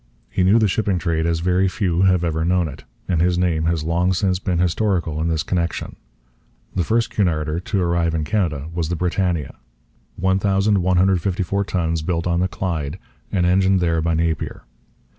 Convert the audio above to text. He knew the shipping trade as very few have ever known it; and his name has long since become historical in this connection. The first 'Cunarder' to arrive in Canada was the Britannia, 1154 tons, built on the Clyde, and engined there by Napier.